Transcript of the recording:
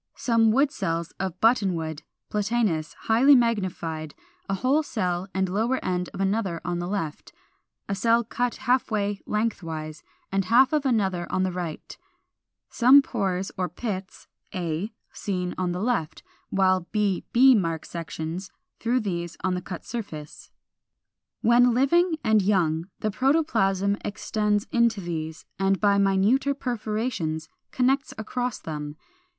Some wood cells from Buttonwood, Platanus, highly magnified, a whole cell and lower end of another on the left; a cell cut half away lengthwise, and half of another on the right; some pores or pits (a) seen on the left; while b b mark sections through these on the cut surface. When living and young the protoplasm extends into these and by minuter perforations connects across them.